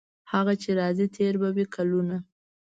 هغه چې راځي تیر به وي کلونه.